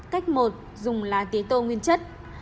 cách một dùng lá tế tô nguyên chất